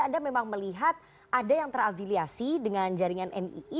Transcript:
anda memang melihat ada yang terafiliasi dengan jaringan nii